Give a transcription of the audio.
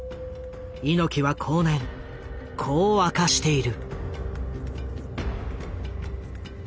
猪木は後年こう明かしている。